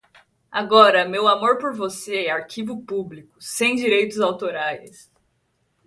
Agora meu amor por você é arquivo público, sem direitos autorais